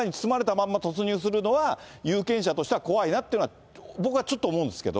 まんま突入するのは、有権者としては怖いなっていうのは、僕はちょっと思うんですけど。